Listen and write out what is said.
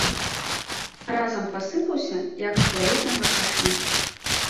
Разам пасыпаўся, як з вялізнага каша.